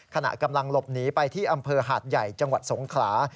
ขณะกำลังหลบหนีไปที่อำเภอหาดใหญ่จังหวัดสงขลา